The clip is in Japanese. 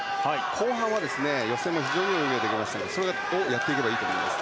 後半は予選も非常にいい泳ぎができましたからそれをやっていけばいいと思います。